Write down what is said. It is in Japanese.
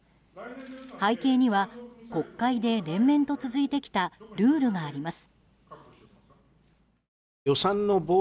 背景には国会で連綿と続いてきたルールがあります。